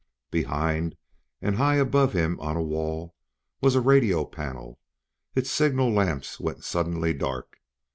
Behind, and high above him on a wall, was a radio panel. Its signal lamps went suddenly dark.